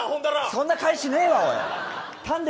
そんな返し、ねえわ。